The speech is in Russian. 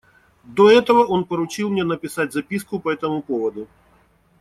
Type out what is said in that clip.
До этого он поручил мне написать записку по этому поводу.